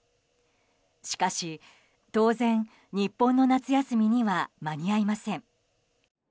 しかし当然、日本の夏休みには間に合いません。